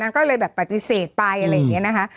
ก็เลยแบบปฏิเสธไปอะไรอย่างนี้นะคะ